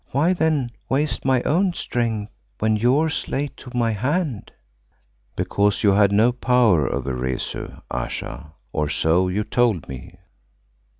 Why then, waste my own strength when yours lay to my hand?" "Because you had no power over Rezu, Ayesha, or so you told me."